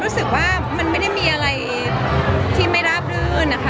รู้สึกว่ามันไม่ได้มีอะไรที่ไม่ราบรื่นนะคะ